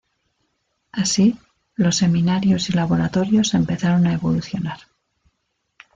Así, los seminarios y laboratorios empezaron a evolucionar.